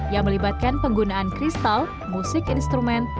yang melibatkan penggunaan kristal musik instrumen